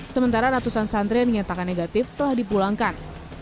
sementara ratusan santri yang dinyatakan negatif telah dipulangkan